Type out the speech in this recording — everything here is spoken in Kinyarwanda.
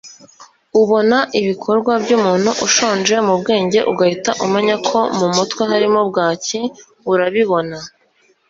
ubona ibikorwa by'umuntu ushonje mu bwenge ugahita umenya ko mu mutwe harimo bwaki. urabibona